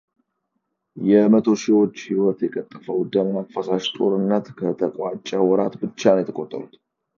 የመቶ ሺዎችን ሕይወት የቀጠፈው ደም አፋሳሽ ጦርነት ከተቋጨ ወራት ብቻ ነው የተቆጠሩት።